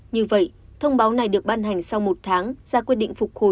như vậy thông báo này được ban hành sau một tháng ra quyết định phục hồi